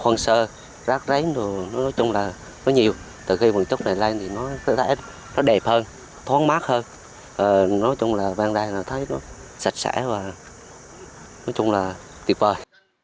nói chung là nó nhiều từ khi bằng trúc này lên thì nó đẹp hơn thoáng mát hơn nói chung là bên đây thấy nó sạch sẽ và nói chung là tuyệt vời